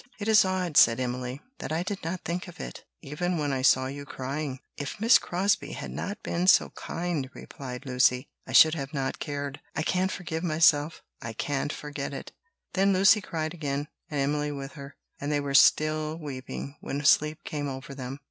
"It is odd," said Emily, "that I did not think of it, even when I saw you crying." "If Miss Crosbie had not been so kind," replied Lucy, "I should not have cared. I can't forgive myself I can't forget it!" Then Lucy cried again, and Emily with her; and they were still weeping when sleep came over them.